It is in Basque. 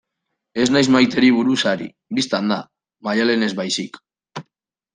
Ez naiz Maiteri buruz ari, bistan da, Maialenez baizik.